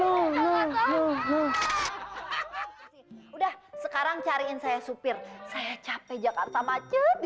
juga mungkin udah sekarang cariin saya supir saya capek jakarta macet di